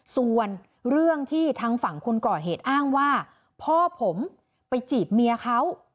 ส่วนเรื่องที่ทางฝั่งคนก่อเหตุอ้างว่าพ่อผมไปจีบเมียเขา